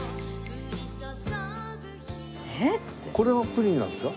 これはプリンなんですか？